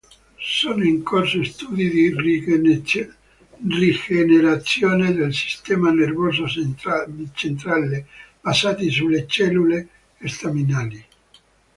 Sono in corso studi di rigenerazione del sistema nervoso centrale, basati sulle cellule staminali.